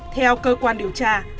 theo cơ quan điều tra